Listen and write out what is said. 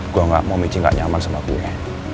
gue gak mau michi gak nyaman sama gue